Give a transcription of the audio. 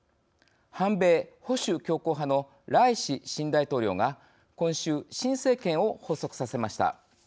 反米・保守強硬派のライシ新大統領が今週、新政権を発足させました。